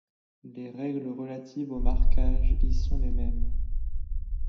Les règles relatives au marquage y sont les mêmes.